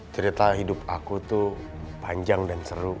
cerita hidup aku tuh panjang dan seru